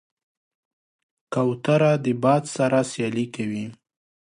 کوتره د باد سره سیالي کوي.